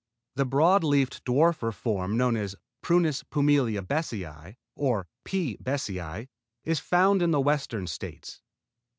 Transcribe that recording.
The broad leafed dwarfer form known as Prunus pumila besseyi or P. besseyi, is found in the Western States.